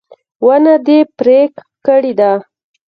ونه دې پرې کړې ده